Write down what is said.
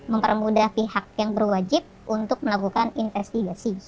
mempermudah pihak yang berwajib untuk melakukan investigasi